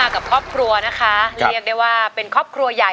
ขอบคุณครับ